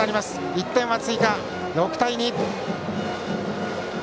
１点追加、６対２。